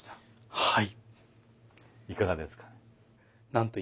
はい。